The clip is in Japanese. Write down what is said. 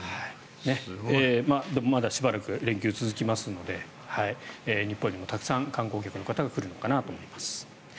まだしばらく連休は続きますので日本にもたくさん観光客の方が来るのかなと思います。